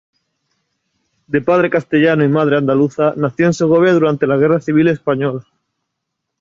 De padre castellano y madre andaluza, nació en Segovia durante la guerra civil española.